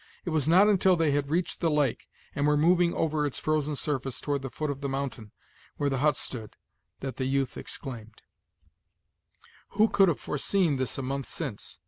It was not until they had reached the lake, and were moving over its frozen surface toward the foot of the mountain, where the hut stood, that the youth exclaimed: "Who could have foreseen this a month since!